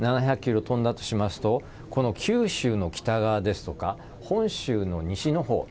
７００ｋｍ飛んだとしますと九州の北側ですとか本州の西の方